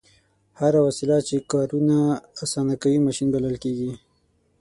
هره وسیله چې کارونه اسانه کوي ماشین بلل کیږي.